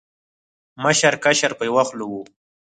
مشر، کشر په یو خوله و